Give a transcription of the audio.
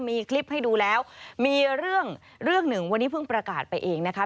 มีคลิปให้ดูแล้วมีเรื่องเรื่องหนึ่งวันนี้เพิ่งประกาศไปเองนะคะ